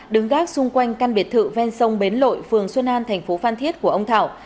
đứng gác xung quanh căn biệt thự ven sông bến lội phường xuân an thành phố phan thiết của ông thảo